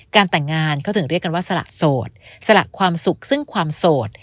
การแต่งงานเขาถึงเรียกกันว่าสละโสดสละความสุขซึ่งความโสด